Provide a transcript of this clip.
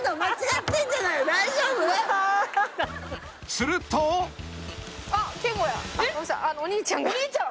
［すると］お兄ちゃん？